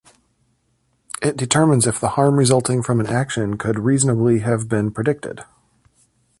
It determines if the harm resulting from an action could reasonably have been predicted.